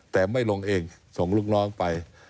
แต่ไม่ลงเองส่งลูกน้องไป